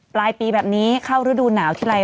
ปลายปีแบบนี้เข้าฤดูหนาวทีไร